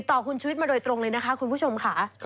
ต่อคุณชีวิตมาโดยตรงเลยนะคะคุณผู้ชมค่ะ